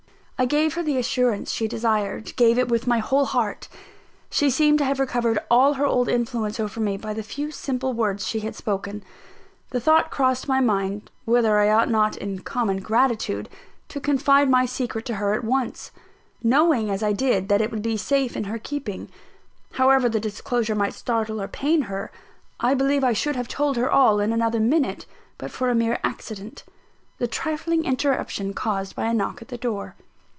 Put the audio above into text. I gave her the assurance she desired gave it with my whole heart. She seemed to have recovered all her old influence over me by the few simple words she had spoken. The thought crossed my mind, whether I ought not in common gratitude to confide my secret to her at once, knowing as I did, that it would be safe in her keeping, however the disclosure might startle or pain her, I believe I should have told her all, in another minute, but for a mere accident the trifling interruption caused by a knock at the door.